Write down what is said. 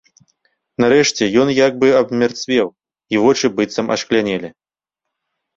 Нарэшце ён як бы абмярцвеў, і вочы быццам ашклянелі.